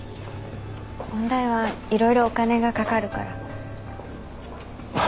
音大はいろいろお金がかかるから。